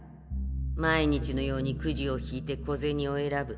毎日のようにくじを引いて小銭を選ぶ。